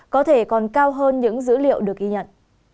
có thể còn cao hơn những dữ liệu được ghi nhận